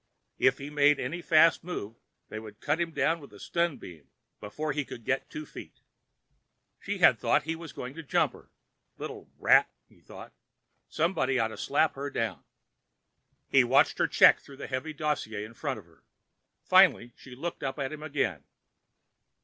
If he made any fast move, they would cut him down with a stun beam before he could get two feet. She had thought he was going to jump her. Little rat! he thought, somebody ought to slap her down! He watched her check through the heavy dossier in front of her. Finally, she looked up at him again.